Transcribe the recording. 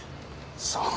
さあ。